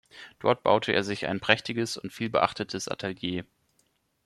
Dort baute er sich ein prächtiges und vielbeachtetes Atelier.